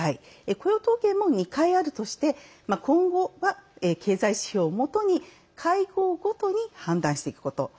雇用統計も２回あるとして今後は経済指標をもとに会合ごとに判断していくこと。